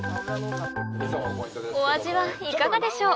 お味はいかがでしょう？